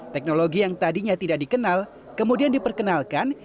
teknologi yang tadinya tidak dikenal kemudian diperkenalkan